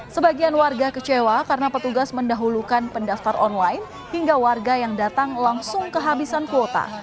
sebagian warga kecewa karena petugas mendahulukan pendaftar online hingga warga yang datang langsung kehabisan kuota